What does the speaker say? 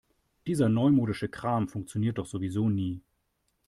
Dieser neumodische Kram funktioniert doch sowieso nie.